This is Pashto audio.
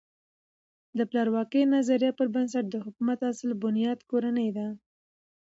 د پلار واکۍ نظریه پر بنسټ د حکومت اصل بنیاد کورنۍ ده.